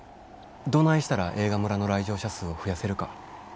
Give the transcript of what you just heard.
どないしたら映画村の来場者数を増やせるか。